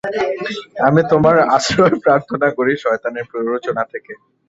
আমি তোমার আশ্রয় প্রার্থনা করি শয়তানের প্ররোচনা থেকে।